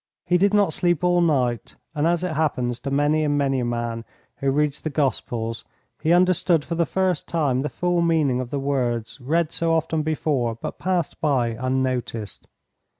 He did not sleep all night, and as it happens to many and many a man who reads the Gospels he understood for the first time the full meaning of the words read so often before but passed by unnoticed.